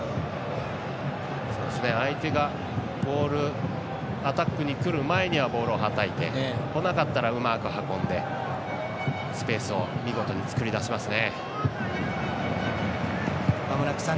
相手がボールアタックにくる前にはボールをはたいて、こなかったらうまく運んでスペースを見事に作り出しますね。